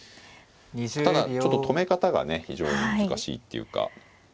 ただちょっと止め方がね非常に難しいっていうか。